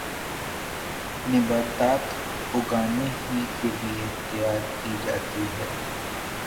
نباتات اگانے ہی کیلئے تیار کی جاتی ہیں